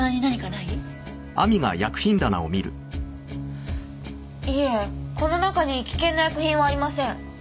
いえこの中に危険な薬品はありません。